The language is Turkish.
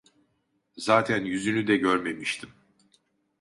Zaten yüzünü de görmemiştim.